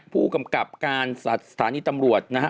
ผู้กำกับการสถานีตำรวจนะฮะ